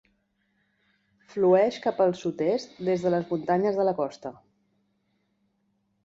Flueix cap al sud-est des de les Muntanyes de la Costa.